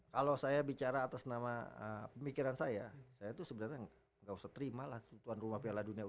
kalau saya bicara atas nama pemikiran saya saya itu sebenarnya nggak usah terima lah tuan rumah piala dunia u dua puluh